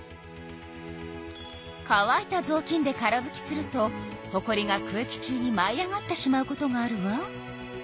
かわいたぞうきんでからぶきするとほこりが空気中にまい上がってしまうことがあるわ。